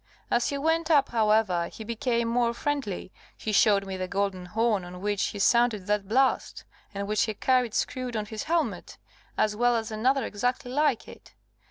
As he went up, however, he became more friendly he showed me the golden horn on which he sounded that blast, and which he carried screwed on his helmet, as well as another exactly like it.